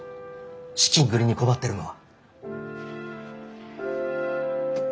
資金繰りに困ってるのは。